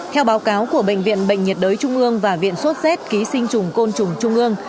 theo báo cáo của bệnh viện bệnh nhiệt đới trung ương và viện sốt z ký sinh trùng côn trùng trung ương